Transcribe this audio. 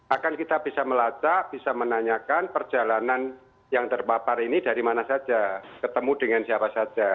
akan kita bisa melacak bisa menanyakan perjalanan yang terpapar ini dari mana saja ketemu dengan siapa saja